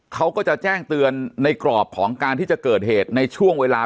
เขาก็จะแจ้งเตือนในกรอบของการที่จะเกิดเหตุในช่วงเวลา